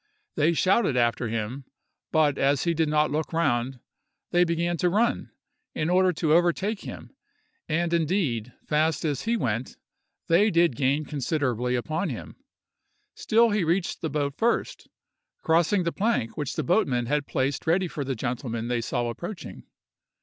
They shouted after him, but as he did not look round, they began to run, in order to overtake him; and, indeed, fast as he went, they did gain considerably upon him. Still he reached the boat first, crossing the plank which the boatmen had placed ready for the gentlemen they saw approaching.